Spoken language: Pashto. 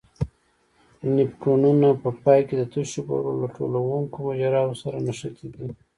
نفرونونه په پای کې د تشو بولو له ټولوونکو مجراوو سره نښتي دي.